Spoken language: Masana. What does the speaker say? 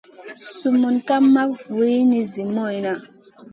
Sumun ka mak wulini zi moyna.